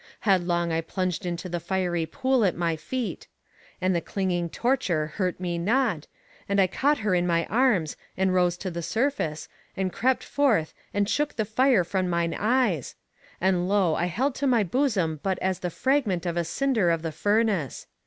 Headlong I plunged into the fiery pool at my feet, and the clinging torture hurt me not, and I caught her in my arms, and rose to the surface, and crept forth, and shook the fire from mine eyes, and lo! I held to my bosom but as the fragment of a cinder of the furnace.